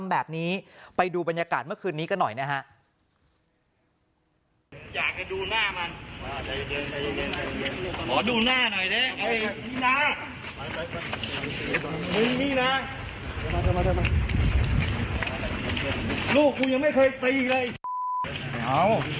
ห้ะอยากจะดูหน้ามึงอ่ะวันนั้นที่เมย์นั่งอ่ะไม่นั่งต่อที่แม่ตายอ่ะ